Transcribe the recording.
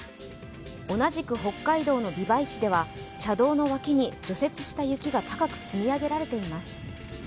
同じく北海道の美唄市では車道の脇に除雪した雪が高く積み上げられています。